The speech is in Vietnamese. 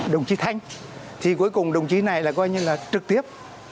đồng chí thanh thì cuối cùng đồng chí này là coi như là trực tiếp